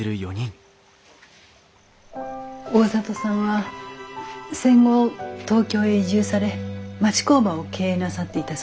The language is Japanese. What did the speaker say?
大里さんは戦後東京へ移住され町工場を経営なさっていたそうです。